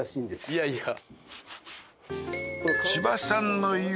いやいや